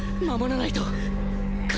守らないと